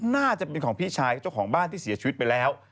น่าจะเป็นของพี่ชายเจ้าของบ้านที่เสียชีวิตไปแล้ว